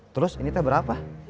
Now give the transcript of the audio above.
terus ini teh berapa